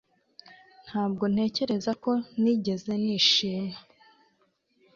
ntabwo ntekereza ko nigeze nishima